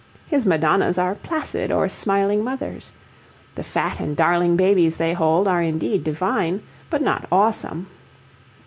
His Madonnas are placid or smiling mothers. The fat and darling babies they hold are indeed divine but not awesome.